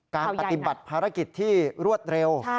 การปฏิบัติภารกิจที่รวดเร็ว